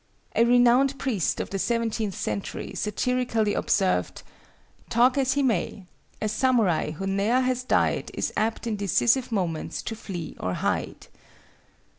A renowned priest of the seventeenth century satirically observed—"Talk as he may, a samurai who ne'er has died is apt in decisive moments to flee or hide."